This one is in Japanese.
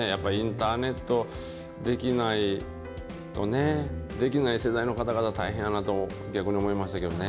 やっぱりインターネットできないとね、できない世代の方々、大変やなと、逆に思いましたけどね。